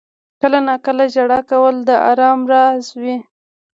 • کله ناکله ژړا کول د آرام راز وي.